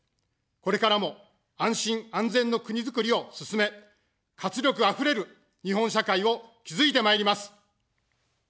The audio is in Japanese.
これからも、安心・安全の国づくりを進め、活力あふれる日本社会を築いてまいります。